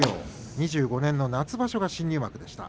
２５年の夏場所が新入幕でした。